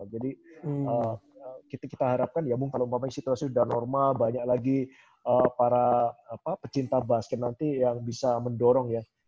jadi kita harapkan ya mungkin kalau umpamanya situasi sudah normal banyak lagi para apa pecinta basket nanti yang bisa mendorong ya